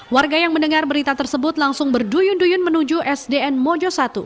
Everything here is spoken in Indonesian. warga yang mendengar berita tersebut langsung berduyun duyun menuju sdn mojo satu